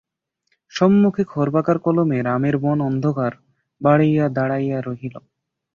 সম্মুখে খর্বাকার কলমের আমের বন অন্ধকার বাড়াইয়া দাঁড়াইয়া রহিল।